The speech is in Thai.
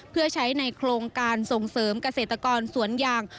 เพื่อใช้ในโครงการส่งเสริมเกษตรกรสวนยาง